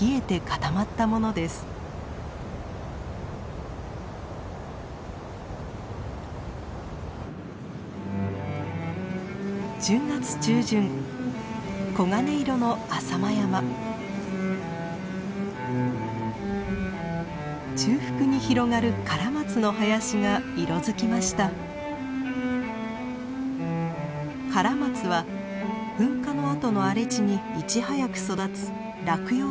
カラマツは噴火の跡の荒れ地にいち早く育つ落葉針葉樹。